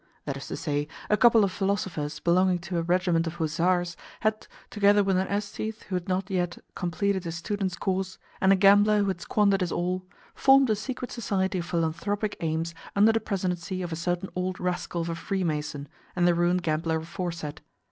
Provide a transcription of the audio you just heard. That is to say, a couple of philosophers belonging to a regiment of hussars had, together with an aesthete who had not yet completed his student's course and a gambler who had squandered his all, formed a secret society of philanthropic aims under the presidency of a certain old rascal of a freemason and the ruined gambler aforesaid.